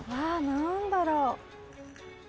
何だろう？